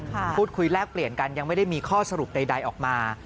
พูดคุยแลกเปลี่ยนกันยังไม่ได้มีข้อสรุปใดออกมา